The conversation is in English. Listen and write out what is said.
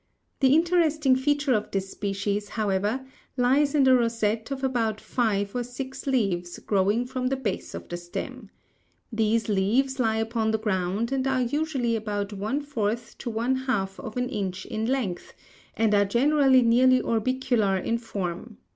The interesting feature of this species, however, lies in the rosette of about five or six leaves growing from the base of the stem. These leaves lie upon the ground and are usually about one fourth to one half of an inch in length, and are generally nearly orbicular in form.